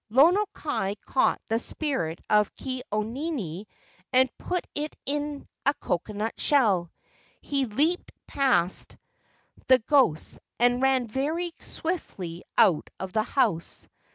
Lono kai caught the spirit of Ke au nini and put it in a coconut shell. He leaped past the ghosts, and ran very swiftly out of the house.